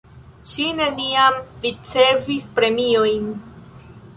Ŝi neniam ricevis premiojn.